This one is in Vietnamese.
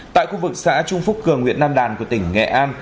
tại khu vực xã trung phúc cường huyện nam đàn của tỉnh nghệ an